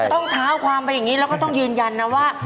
ต้องเท้าความไปอย่างนี้แล้วก็ต้องยืนยันนะว่า